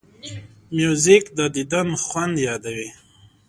موزیک د دیدن خوند یادوي.